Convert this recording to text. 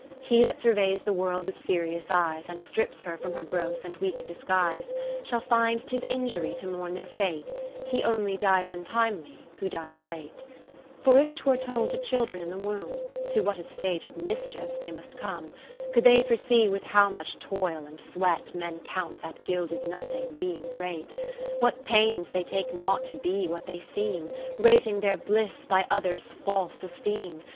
He that surveys the world with serious eyes. And strips her from her gross and weak disguise. Shall find 'tis injury to mourn their fate; He only dies untimely who dies late. Katherine Philips For if 'twere told to children in the womb, To what a stage of mischiefs they must come ; Could they foresee with how much toil and sweat Men count that gilded nothing, be ing great ; lo What pains they take not to be what they seem, Rating their bliss by others' false esteem.